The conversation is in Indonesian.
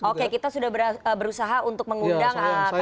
oke kita sudah berusaha untuk mengundang